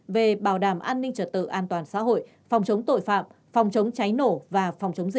về bảo đảm an ninh trật tự an toàn